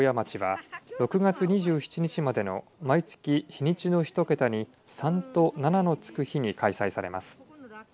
市は６月２７日までの毎月、日にちの一桁に３と７のつく日に開催されます。